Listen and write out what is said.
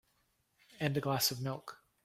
And a glass of milk.